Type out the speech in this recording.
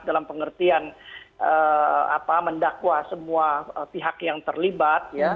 dalam pengertian mendakwa semua pihak yang terlibat